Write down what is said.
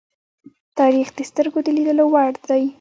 تاریخ د سترگو د لیدو وړ دی.